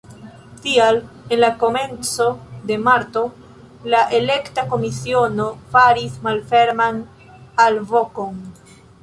Tial en la komenco de marto la elekta komisiono faris malferman alvokon.